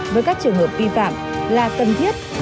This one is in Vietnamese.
với các trường hợp vi phạm là cần thiết